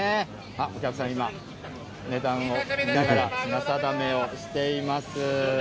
お客さん、今、値段を見ながら、品定めをしています。